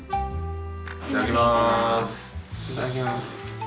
いただきます。